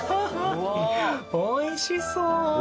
おいしそう。